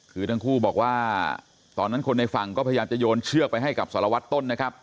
คือทั้งคู่บอกว่าตอนนั้นคนในฝั่งก็พยายามจะโยนเชือกไปให้กับสารวัตรต้นนะครับ